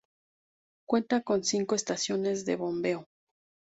Cuenta con cinco estaciones de bombeo.